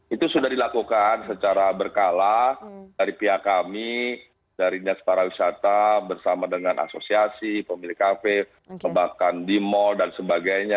itu sudah dilakukan secara berkala dari pihak kami dari dinas para wisata bersama dengan asosiasi pemilik kafe bahkan di mal dan sebagainya